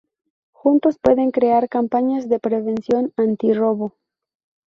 Juntos pueden crear campañas de prevención anti-robo.